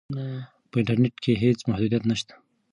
په انټرنیټ کې هیڅ محدودیت نشته.